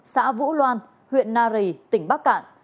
xã vũ loan huyện na rì tỉnh bắc cạn